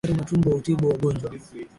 Daktari Matumbo hutibu wagonjwa.